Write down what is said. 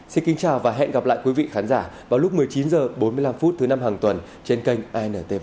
xin kính chào và hẹn gặp lại quý vị khán giả vào lúc một mươi chín h bốn mươi năm thứ năm hàng tuần trên kênh intv